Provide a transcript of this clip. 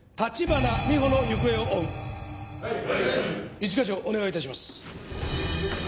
一課長お願い致します。